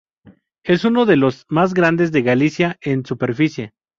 Es uno de los más grandes de Galicia en superficie.